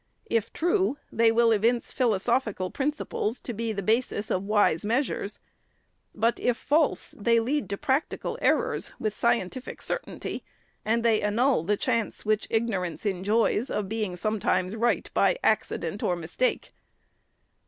If true, they will evince philosophical principles to be the basis of wise measures. But if false, they lead to practical errors, with scientific certainty; and they annul the chance which ignorance enjoys of being sometimes right by accident or mistake.